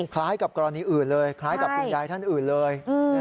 คล้ายกับกรณีอื่นเลยคล้ายกับคุณยายท่านอื่นเลย